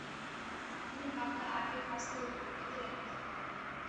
তিনি বাংলা, আরবি, ফার্সি ও উর্দুতে লেখালেখি করেন।